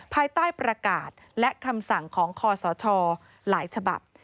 ภายใต้ประกาศและคำสั่งของคอสชหลายฉบับ